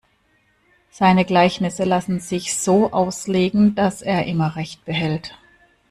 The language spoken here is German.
Seine Gleichnisse lassen sich so auslegen, dass er immer Recht behält.